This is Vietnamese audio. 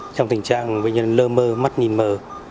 trong tình trạng bệnh nhân lơ mơ mất nhìn mờ